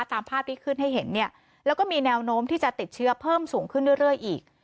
ตามภาพที่ขึ้นให้เห็นเนี่ยแล้วก็มีแนวโน้มที่จะติดเชื้อเพิ่มสูงขึ้นเรื่อยอีก